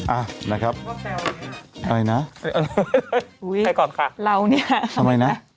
อ่ะนะครับอะไรนะอุ้ยไปก่อนค่ะเราเนี่ยทำไมนะ